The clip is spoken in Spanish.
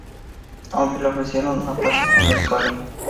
Aunque le ofrecieron una plaza en la escuela St.